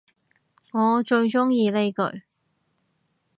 我最鍾意呢句